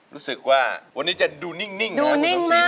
รู้สึกว่าวันนี้จะดูนิ่งนะครับคุณสม